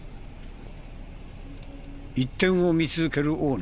一点を見続ける大野。